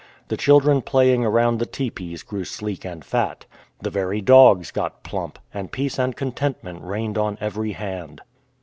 The children playing around the teepees grew sleek and fat. The very dogs got plump, and peace and contentment reigned on every hand.